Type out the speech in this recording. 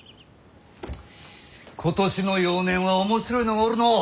今年の幼年は面白いのがおるのう。